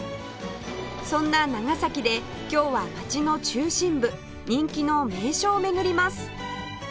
そんな長崎で今日は町の中心部人気の名所を巡ります